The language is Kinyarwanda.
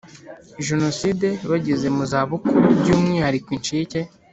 Jenoside bageze mu zabukuru by umwihariko incike